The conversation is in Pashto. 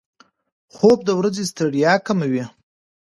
خوب د ورځې ستړیا کموي.